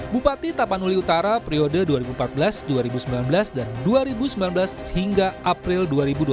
bupati tapanuli utara periode dua ribu empat belas dua ribu sembilan belas dan dua ribu sembilan belas hingga april dua ribu dua puluh